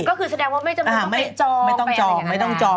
ก็คือแสดงว่าไม่จำเป็นต้องไปจองไม่ต้องจองไม่ต้องจอง